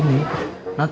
ah diam dong ya